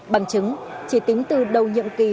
bằng chứng chỉ tính từ đầu nhiệm kỳ